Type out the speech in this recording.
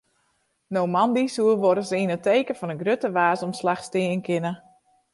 No moandei soe wolris yn it teken fan in grutte waarsomslach stean kinne.